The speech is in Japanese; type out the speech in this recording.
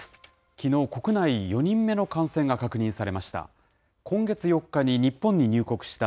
きのう、国内４人目の感染が確認されました。